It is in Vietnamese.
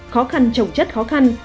khó khăn trồng chất khó khăn